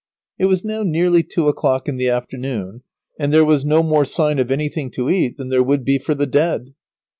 It was now nearly two o'clock in the afternoon, and there was no more sign of anything to eat than there would be for the dead.